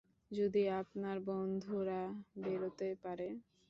যদি আপনার বন্ধুরা বেরোতে পারে।